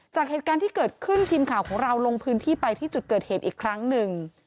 จากเหตุการณ์ที่เกิดขึ้นทีมข่าวของเราลงพื้นที่ไปที่จุดเกิดเหตุอีกครั้งหนึ่ง